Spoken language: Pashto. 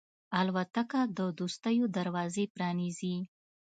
الوتکه د دوستیو دروازې پرانیزي.